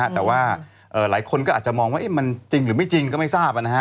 แต่ว่าหลายคนก็อาจจะมองว่ามันจริงหรือไม่จริงก็ไม่ทราบ